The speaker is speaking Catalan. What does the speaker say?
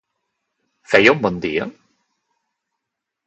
Feia un bon dia?